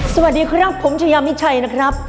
สวัสดีครับผมชายามิชัยนะครับ